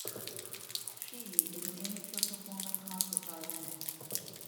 Shi is an amateur performing concert violinist.